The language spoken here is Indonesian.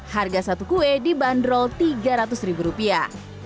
harga satu kue dibanderol tiga ratus ribu rupiah